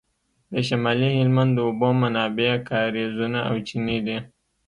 د شمالي هلمند د اوبو منابع کاریزونه او چینې دي